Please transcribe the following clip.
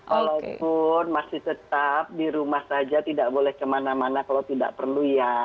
walaupun masih tetap di rumah saja tidak boleh kemana mana kalau tidak perlu ya